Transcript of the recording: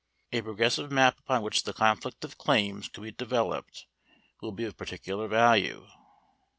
A progressive map upon which the conflict of claims could be developed will be of particular value.